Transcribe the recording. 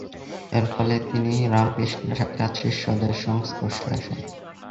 এর ফলে তিনি রামকৃষ্ণের সাক্ষাৎ শিষ্যদের সংস্পর্শে আসেন।